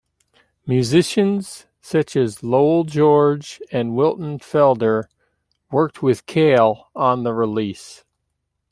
Musicians such as Lowell George and Wilton Felder worked with Cale on the release.